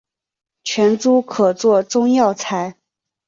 全株可做中药材。